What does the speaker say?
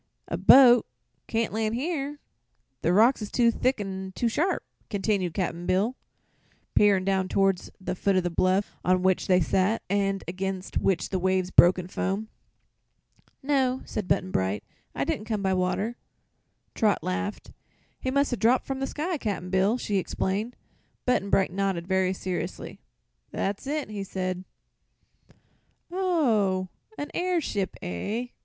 "A boat can't land here; the rocks is too thick an' too sharp," continued Cap'n Bill, peering down toward the foot of the bluff on which they sat and against which the waves broke in foam. "No," said Button Bright; "I didn't come by water." Trot laughed. "He must 'a' dropped from the sky, Cap'n Bill!" she exclaimed. Button Bright nodded, very seriously. "That's it," he said. "Oh; a airship, eh?"